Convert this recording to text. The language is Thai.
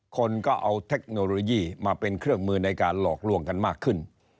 คนก็เอาเทคโนโลยีมาเป็นเครื่องมือในการหลอกลวงกันมากขึ้น